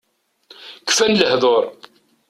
Kfan lehdur.